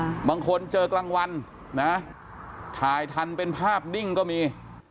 บางคนเจอกลางวันนะถ่ายทันเป็นภาพดิ้งก็มี